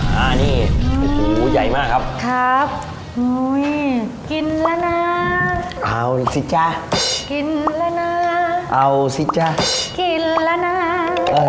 อือหูยใหญ่มากครับครับอื้ออ่าวสิจ้าอ่าวสิจ้าอ่าว